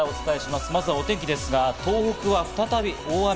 まずはお天気ですが、東北は再び大雨。